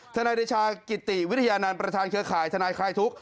นายเดชากิติวิทยานันต์ประธานเครือข่ายทนายคลายทุกข